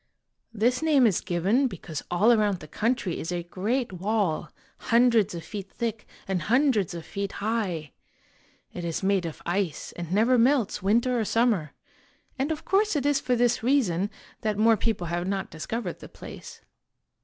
This name is given 138 IN THE GREAT WALLED COUNTRY because all around the country is a great wall, hundreds of feet thick and hundreds of feet high. It is made of ice, and never melts, winter or summer; and of course it is for this reason that more people have not discovered the place.